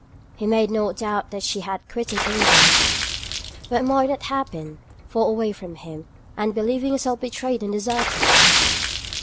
He made no doubt that she had quitted England. What might not happen, far away from him, and believing herself betrayed and deserted?